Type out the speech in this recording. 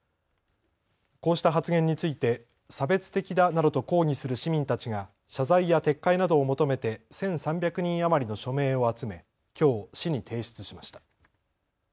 こうした発言について差別的だなどと抗議する市民たちが謝罪や撤回などを求めて１３００人余りの署名を集めきょう市に提出しました。